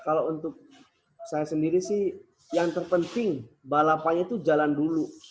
kalau untuk saya sendiri sih yang terpenting balapannya itu jalan dulu